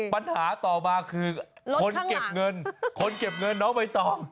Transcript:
ปัญหาต่อมาคือรถข้างหลังคนเก็บเงินน้องไม่ต้อง